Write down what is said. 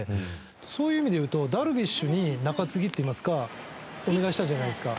そういう意味で言うとダルビッシュに中継ぎっていいますかお願いしたじゃないですか。